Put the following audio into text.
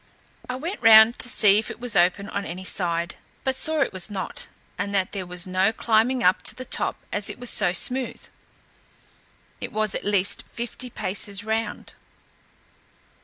I went round to see if it was open on any side, but saw it was not, and that there was no climbing up to the top as it was so smooth. It was at least fifty paces round.